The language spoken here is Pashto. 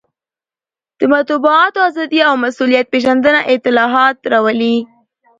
د مطبوعاتو ازادي او مسوولیت پېژندنه اصلاحات راولي.